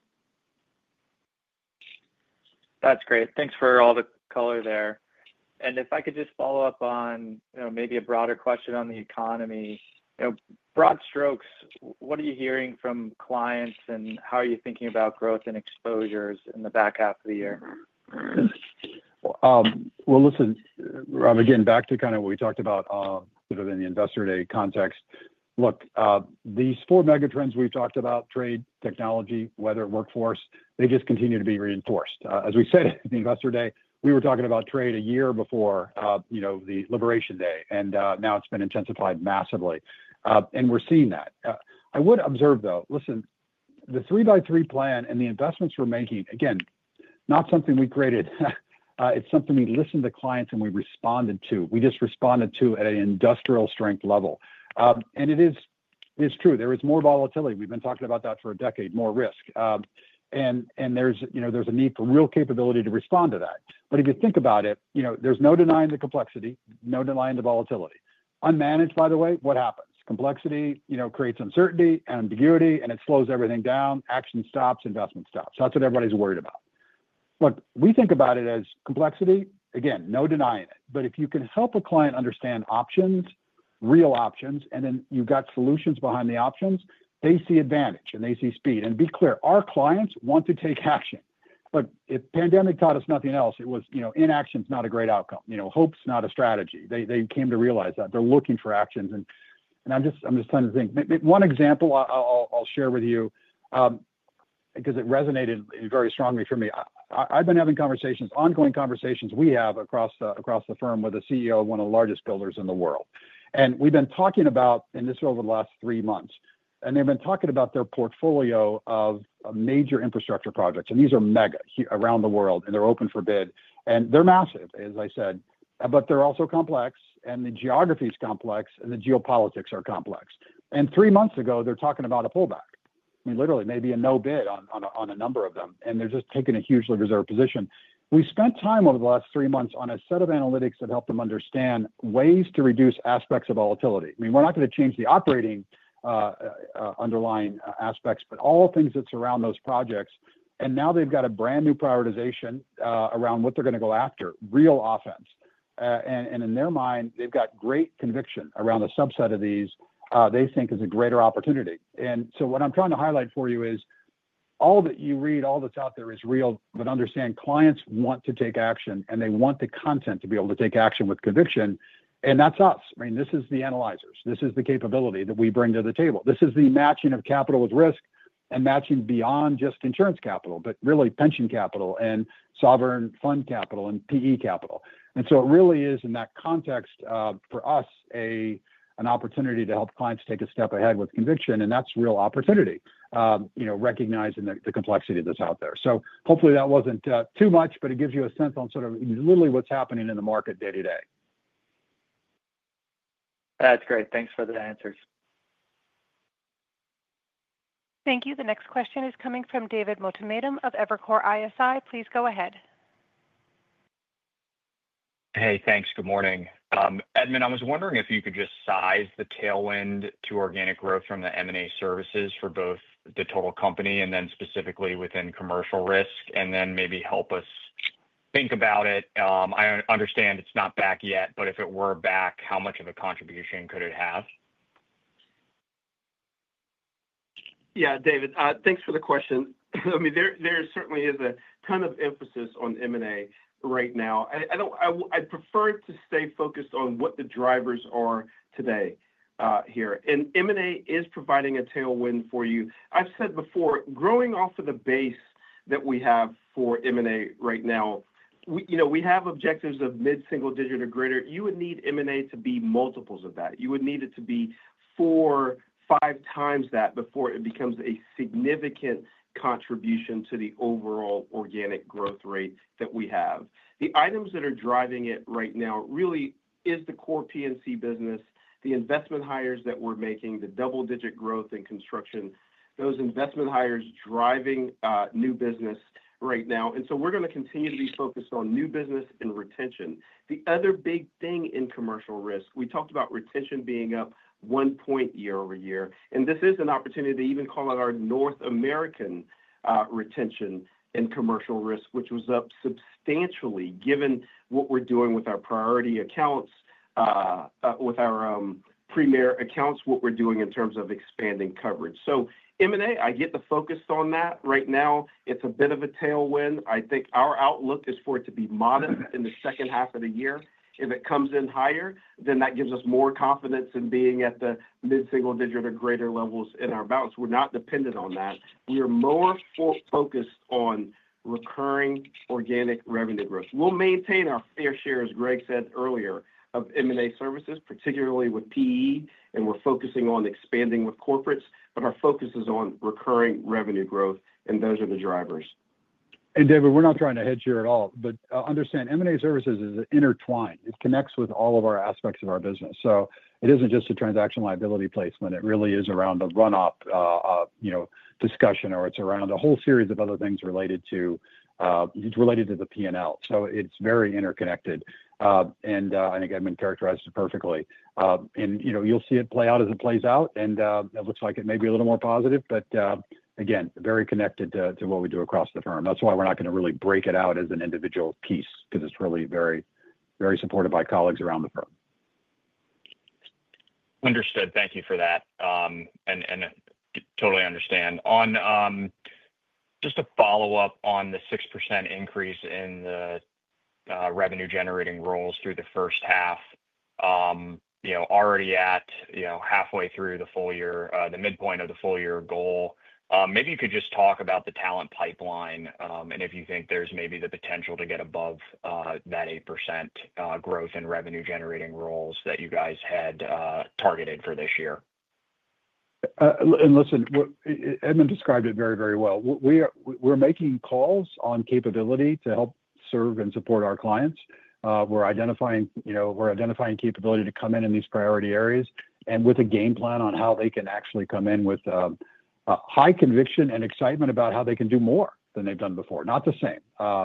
That's great. Thanks for all the color there. If I could just follow up on maybe a broader question on the economy. Broad strokes, what are you hearing from clients, and how are you thinking about growth and exposures in the back half of the year? Listen, Rob, again, back to kind of what we talked about in the Investor Day context. Look, these four megatrends we've talked about—trade, technology, weather, workforce—they just continue to be reinforced as we said at the Investor Day, we were talking about trade a year before the liberation day, and now it's been intensified massively. We're seeing that. I would observe, though, the 3x3 plan and the investments we're making, again, not something we created. It's something we listened to clients and we responded to. We just responded to at an industrial strength level. It is true. There is more volatility. We've been talking about that for a decade, more risk. There's a need for real capability to respond to that. If you think about it, there's no denying the complexity, no denying the volatility. Unmanaged, by the way, what happens? Complexity creates uncertainty and ambiguity, and it slows everything down. Action stops. Investment stops. That's what everybody's worried about. Look, we think about it as complexity, again, no denying it. If you can help a client understand options, real options, and then you've got solutions behind the options, they see advantage and they see speed. Be clear, our clients want to take action. If the pandemic taught us nothing else, it was inaction's not a great outcome. Hope's not a strategy. They came to realize that. They're looking for actions. I'm just trying to think. One example I'll share with you, because it resonated very strongly for me. I've been having ongoing conversations we have across the firm with the CEO of one of the largest builders in the world. We've been talking about, and this is over the last three months, and they've been talking about their portfolio of major infrastructure projects. These are mega around the world, and they're open for bid. They're massive, as I said, but they're also complex, and the geography is complex, and the geopolitics are complex. Three months ago, they're talking about a pullback. I mean, literally, maybe a no bid on a number of them. They're just taking a huge reserve position. We spent time over the last three months on a set of analytics that helped them understand ways to reduce aspects of volatility. I mean, we're not going to change the operating underlying aspects, but all things that surround those projects. Now they've got a brand new prioritization around what they're going to go after, real offense. In their mind, they've got great conviction around the subset of these they think is a greater opportunity. What I'm trying to highlight for you is all that you read, all that's out there is real, but understand clients want to take action, and they want the content to be able to take action with conviction. That's us. This is the analyzers. This is the capability that we bring to the table. This is the matching of capital with risk and matching beyond just insurance capital, but really pension capital and sovereign fund capital and PE capital. It really is, in that context, for us an opportunity to help clients take a step ahead with conviction, and that's real opportunity. Recognizing the complexity that's out there. Hopefully that wasn't too much, but it gives you a sense on sort of literally what's happening in the market day to day. That's great. Thanks for the answers. The next question is coming from David Motemaden of Evercore ISI. Please go ahead. Hey, thanks. Good morning. Edmund, I was wondering if you could just size the tailwind to organic growth from the M&A services for both the total company and then specifically within commercial risk, and then maybe help us think about it. I understand it's not back yet, but if it were back, how much of a contribution could it have? Yeah, David, thanks for the question. I mean, there certainly is a ton of emphasis on M&A right now. I'd prefer to stay focused on what the drivers are today here. M&A is providing a tailwind for you. I've said before, growing off of the base that we have for M&A right now. We have objectives of mid-single digit or greater. You would need M&A to be multiples of that, you would need it to be four, five times that before it becomes a significant contribution to the overall organic growth rate that we have. The items that are driving it right now really is the core P&C business, the investment hires that we're making, the double-digit growth in construction, those investment hires driving new business right now. We're going to continue to be focused on new business and retention. The other big thing in commercial risk, we talked about retention being up one point year-over-year. This is an opportunity to even call it our North American. Retention in commercial risk, which was up substantially given what we're doing with our priority accounts. With our premier accounts, what we're doing in terms of expanding coverage. M&A, I get the focus on that right now. It's a bit of a tailwind. I think our outlook is for it to be modest in the second half of the year. If it comes in higher, then that gives us more confidence in being at the mid-single digit or greater levels in our balance. We're not dependent on that. We are more focused on recurring organic revenue growth. We'll maintain our fair share, as Greg said earlier, of M&A services, particularly with PE, and we're focusing on expanding with corporates, but our focus is on recurring revenue growth, and those are the drivers. David, we're not trying to hedge here at all, but understand M&A services is intertwined. It connects with all of our aspects of our business. It isn't just a transaction liability placement. It really is around a run-up discussion, or it's around a whole series of other things related to the P&L. It's very interconnected. I think Edmund characterized it perfectly You'll see it play out as it plays out, and it looks like it may be a little more positive, but again, very connected to what we do across the firm. That's why we're not going to really break it out as an individual piece, because it's really very supported by colleagues around the firm. Understood. Thank you for that. I totally understand. Just a follow-up on the 6% increase in the revenue-generating roles through the first half. Already at halfway through the full year, the midpoint of the full year goal. Maybe you could just talk about the talent pipeline and if you think there's maybe the potential to get above that 8% growth in revenue-generating roles that you guys had targeted for this year. Listen, Edmund described it very, very well. We're making calls on capability to help serve and support our clients. We're identifying capability to come in in these priority areas and with a game plan on how they can actually come in with high conviction and excitement about how they can do more than they've done before, not the same,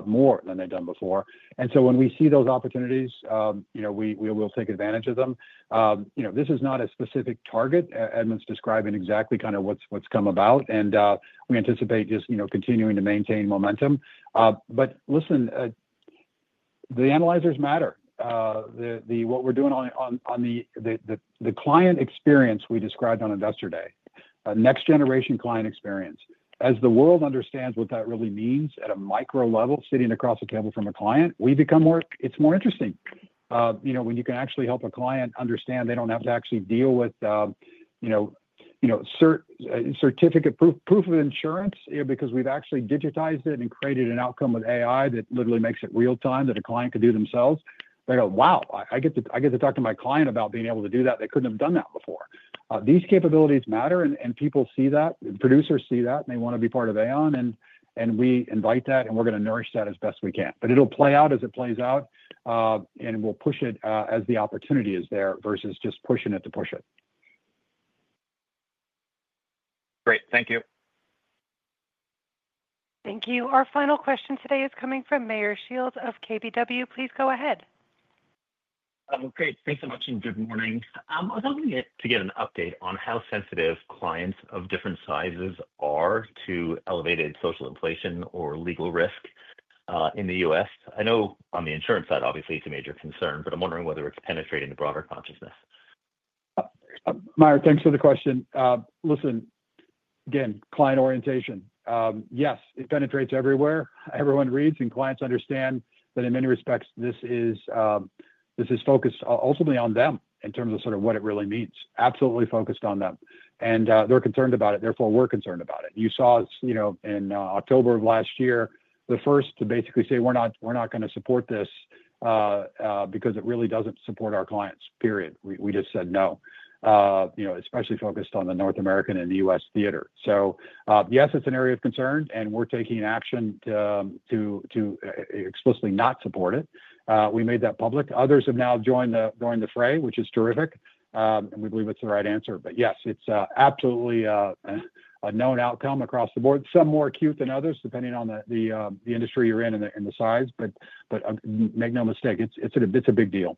more than they've done before. When we see those opportunities, we will take advantage of them. This is not a specific target. Edmund's describing exactly kind of what's come about, and we anticipate just continuing to maintain momentum. The analyzers matter. What we're doing on the client experience we described on Investor Day, next-generation client experience, as the world understands what that really means at a micro level sitting across the table from a client, we become more—it's more interesting. When you can actually help a client understand they don't have to actually deal with certificate proof of insurance because we've actually digitized it and created an outcome with AI that literally makes it real-time that a client could do themselves. They go, "Wow, I get to talk to my client about being able to do that. They couldn't have done that before." These capabilities matter, and people see that, and producers see that, and they want to be part of Aon, and we invite that, and we're going to nourish that as best we can. It'll play out as it plays out. We'll push it as the opportunity is there versus just pushing it to push it. Thank you. Our final question today is coming from Meyer Shields of KBW. Please go ahead. Okay. Thanks so much and good morning. I was hoping to get an update on how sensitive clients of different sizes are to elevated social inflation or legal risk in the U.S. I know on the insurance side, obviously, it's a major concern, but I'm wondering whether it's penetrating the broader consciousness. Meyer, thanks for the question. Listen, again, client orientation. Yes, it penetrates everywhere. Everyone reads, and clients understand that in many respects, this is focused ultimately on them in terms of sort of what it really means. Absolutely focused on them. They're concerned about it. Therefore, we're concerned about it. You saw in October of last year the first to basically say, "We're not going to support this. Because it really doesn't support our clients," period. We just said no. Especially focused on the North American and the U.S. theater. Yes, it's an area of concern, and we're taking action to explicitly not support it. We made that public. Others have now joined the fray, which is terrific. We believe it's the right answer. Yes, it's absolutely a known outcome across the board. Some more acute than others, depending on the industry you're in and the size. Make no mistake, it's a big deal.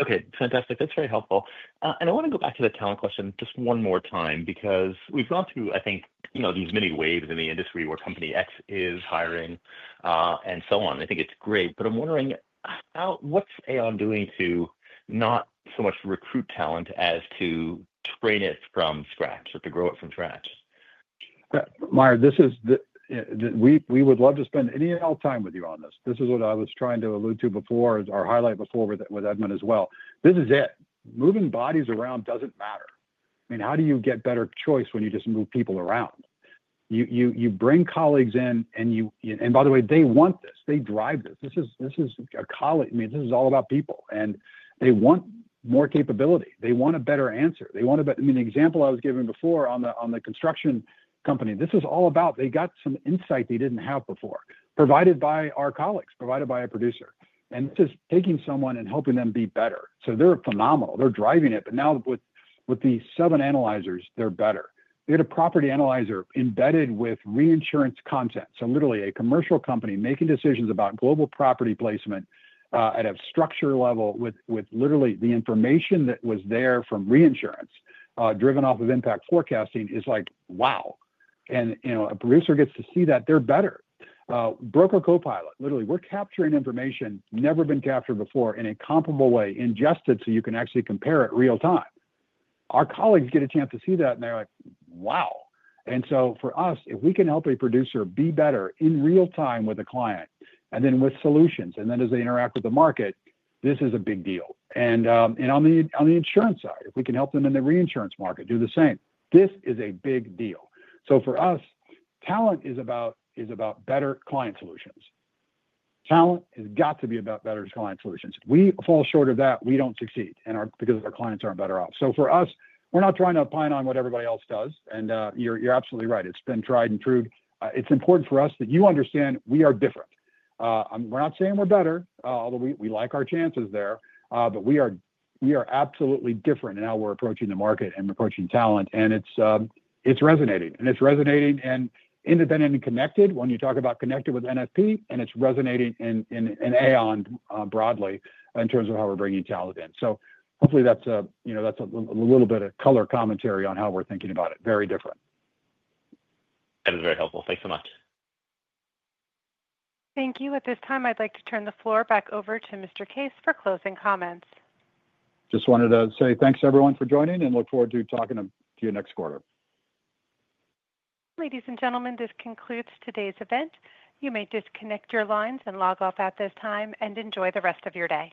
Okay. Fantastic. That's very helpful. I want to go back to the talent question just one more time because we've gone through, I think, these many waves in the industry where Company X is hiring and so on. I think it's great. I'm wondering, what's Aon doing to not so much recruit talent as to train it from scratch or to grow it from scratch? Meyer, this is—we would love to spend any and all time with you on this. This is what I was trying to allude to before, or highlight before with Edmund as well. This is it. Moving bodies around doesn't matter. I mean, how do you get better choice when you just move people around? You bring colleagues in, and by the way, they want this. They drive this. This is a colleague. I mean, this is all about people. They want more capability. They want a better answer. They want a better—I mean, the example I was giving before on the construction company, this is all about they got some insight they didn't have before, provided by our colleagues, provided by a producer. This is taking someone and helping them be better. They're phenomenal. They're driving it. Now with the seven analyzers, they're better. They had a property analyzer embedded with reinsurance content. Literally, a commercial company making decisions about global property placement at a structure level with literally the information that was there from reinsurance driven off of impact forecasting is like, "Wow." A producer gets to see that they're better. Broker Copilot, literally, we're capturing information never been captured before in a comparable way, ingested so you can actually compare it real-time. Our colleagues get a chance to see that, and they're like, "Wow." For us, if we can help a producer be better in real-time with a client and then with solutions and then as they interact with the market, this is a big deal. On the insurance side, if we can help them in the reinsurance market, do the same. This is a big deal. For us, talent is about better client solutions. Talent has got to be about better client solutions, if we fall short of that, we don't succeed because our clients aren't better off. For us, we're not trying to opine on what everybody else does. You're absolutely right. It's been tried and true. It's important for us that you understand we are different. We're not saying we're better, although we like our chances there, but we are absolutely different in how we're approaching the market and approaching talent. And it's resonating. And it's resonating and independent and connected when you talk about connected with NFP, and it's resonating in Aon broadly in terms of how we're bringing talent in. So hopefully that's a little bit of color commentary on how we're thinking about it. Very different. That is very helpful. Thanks so much. At this time, I'd like to turn the floor back over to Mr. Case for closing comments. Just wanted to say thanks, everyone, for joining, and look forward to talking to you next quarter. Ladies and gentlemen, this concludes today's event. You may disconnect your lines and log off at this time and enjoy the rest of your day.